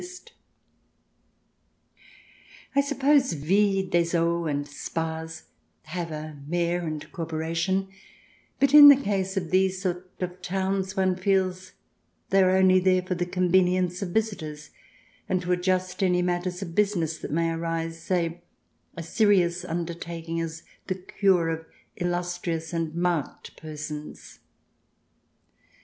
88 CH. VII] PRINCES AND PRESCRIPTIONS 89 I suppose villes des eaux and spas have a mayor and corporation ; but in the case of these sort of towns one feels they are only there for the convenience of visitors, and to adjust any matters of business that may arise — say, such a serious undertaking as the cure of illustrious and marked persons.